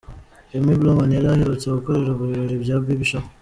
Amy Blauman yari aherutse gukorerwa ibirori bya Baby Shower.